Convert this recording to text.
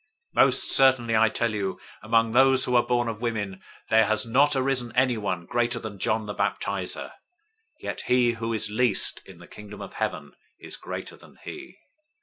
'{Malachi 3:1} 011:011 Most certainly I tell you, among those who are born of women there has not arisen anyone greater than John the Baptizer; yet he who is least in the Kingdom of Heaven is greater than he.